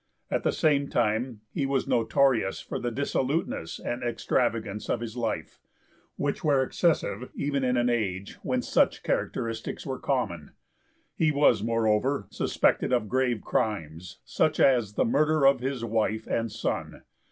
At the same time he was notorious for the dissoluteness and extravagance of his life, which were excessive even in an age when such characteristics were common; he was, moreover, suspected of grave crimes, such as the murder of his wife and son.